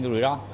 cái rủi ro